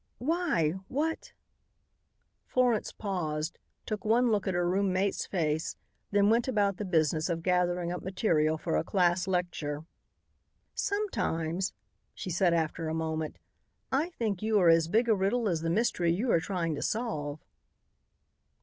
"Why what " Florence paused, took one look at her roommate's face, then went about the business of gathering up material for a class lecture. "Sometimes," she said after a moment, "I think you are as big a riddle as the mystery you are trying to solve."